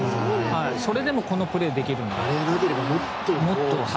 それでもこのプレーができると。